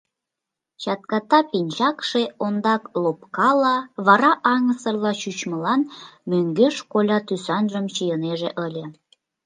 Чатката пинчакше ондак лопкала, вара аҥысырла чучмылан мӧҥгеш коля тӱсанжым чийынеже ыле.